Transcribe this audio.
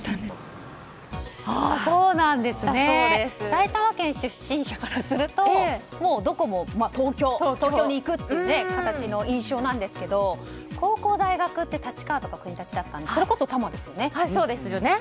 埼玉県出身者からするともうどこも東京に行くという形の印象なんですけど高校、大学って立川とか国立だったのでそれこそ多摩ですよね。